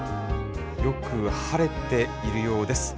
よく晴れているようです。